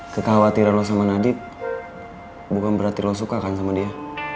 kekhawatiran lo sama nadie bukan berarti lo suka kan sama dia